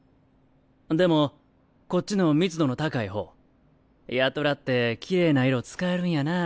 でもこっちの密度の高い方八虎ってきれいな色使えるんやなぁ。